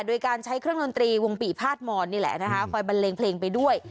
โดยการใช้เครื่องดนตรีวงปี่พาดมอนนี่แหละนะคะคอยบันเลงเพลงไปด้วย